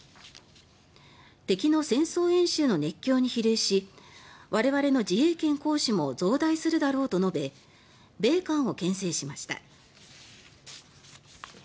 敵の戦争演習の熱狂に比例し我々の自衛権行使も増大するだろうと述べ米韓をけん制しました。